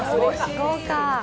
豪華。